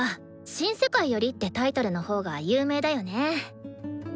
「新世界より」ってタイトルのほうが有名だよね。